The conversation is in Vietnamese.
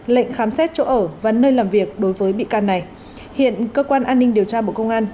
lệnh khám xét chỗ ở và nơi làm việc đối với bị can này hiện cơ quan an ninh điều tra bộ công an